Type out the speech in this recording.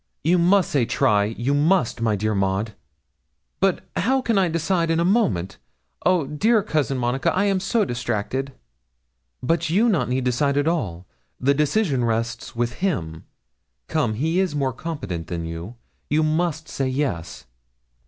'You must say try you must, my dear Maud.' 'But how can I decide in a moment? Oh, dear Cousin Monica, I am so distracted!' 'But you need not decide at all; the decision rests with him. Come; he is more competent than you. You must say yes.'